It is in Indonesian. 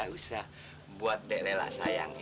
gak usah buat dek lelah sayang ya